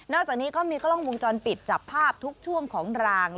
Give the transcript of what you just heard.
อกจากนี้ก็มีกล้องวงจรปิดจับภาพทุกช่วงของราง